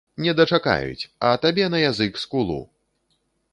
Не дачакаюць, а табе на язык скулу.